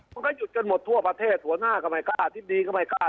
มันก็หยุดกันหมดทั่วประเทศหัวหน้าก็ไม่กล้าอธิบดีก็ไม่กล้า